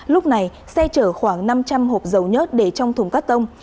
lúc này xe chở khoảng năm trăm linh hộp dầu nhớt để trong thùng cắt tông